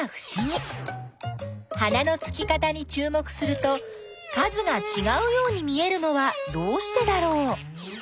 花のつき方にちゅうもくすると数がちがうように見えるのはどうしてだろう？